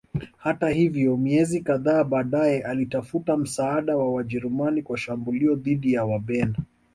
Hata hivyo miezi kadhaa baadaye alitafuta msaada wa Wajerumani kwa shambulio dhidi ya Wabena